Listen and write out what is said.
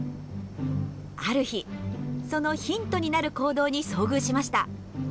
ある日そのヒントになる行動に遭遇しました。